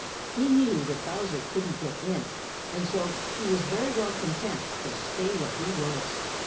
He knew that Bowser couldn't get in, and so he was very well content to stay where he was.